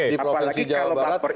di provinsi jawa barat